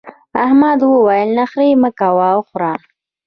احمد وويل: نخرې مه کوه وخوره.